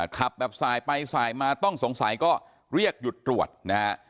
ขับแบบสายไปสายมาต้องสงสัยก็เรียกหยุดตรวจนะฮะ